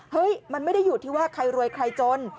เฮ้ยมันไม่ได้อยู่ที่ว่าใครรวยใครจน